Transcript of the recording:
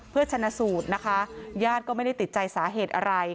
เพื่อชนะสูตรนะคะญาติก็ไม่ได้ติดใจสาเหตุอะไร